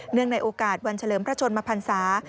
เนื่องในโอกาสวัญเฉลิมพระชนมพันธ์ศาสตร์